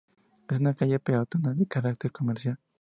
Es una calle peatonal de carácter comercial.